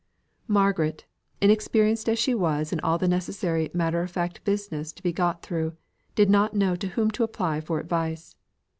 Margaret, inexperienced as she was in all the necessary matter of fact business to be got through, did not know to whom to apply for advice.